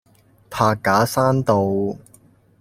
柏架山道